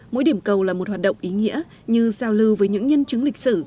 mỗi điểm cầu là một hoạt động ý nghĩa như giao lưu với những nhân chứng lịch sử